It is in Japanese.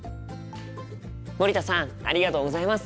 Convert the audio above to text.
森田さんありがとうございます！